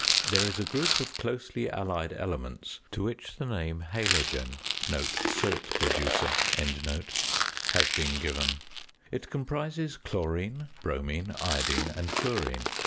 There is a group of closely allied elements to which the name halogen (salt producer) has been given. It comprises chlorine, bromine, iodine, and fluorine.